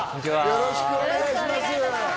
よろしくお願いします